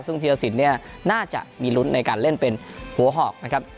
ซึ่งธีรสินเนี่ยน่าจะมีลุ้นในการเล่นเป็นหัวหอกนะครับ